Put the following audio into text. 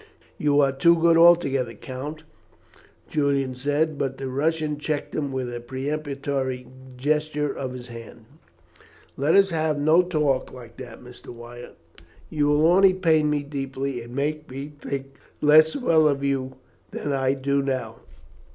"You are too good altogether, Count," Julian said; but the Russian checked him with a peremptory gesture of his hand. "Let us have no talk like that, Mr. Wyatt. You will only pain me deeply, and make me think less well of you than I do now.